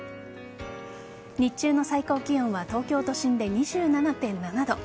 日中の最高気温は東京都心で２７．７度